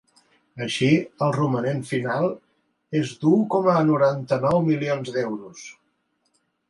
Així, el romanent final és de u coma noranta-nou milions d’euros.